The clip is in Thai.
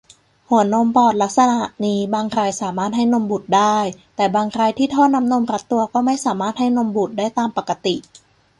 หัวนมบอดลักษณะนี้บางรายสามารถให้นมบุตรได้ แต่บางรายที่ท่อน้ำนมรัดตัวก็ไม่สามารถให้นมบุตรได้ตามปกติ